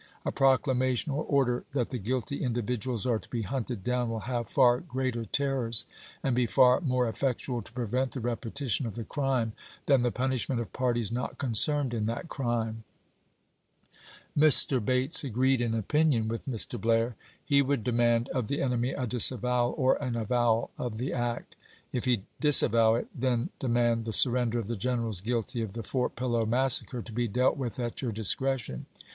.. A proclamation or order that the guilty individuals are to be hunted down will have far greater terrors, and be far more effectual to prevent the repetition of the crime, than the punishment of parties not concerned in that crime," Mr. Bates agreed in opinion with Mr. Blair. He would demand of the enemy a disavowal or an avowal of the act. If he disavow it, then demand the surrender of the generals guilty of the Fort Pillow massacre to be dealt with at your discretion.